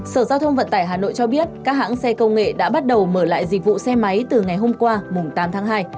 sở giao thông vận tải hà nội cho biết các hãng xe công nghệ đã bắt đầu mở lại dịch vụ xe máy từ ngày hôm qua tám tháng hai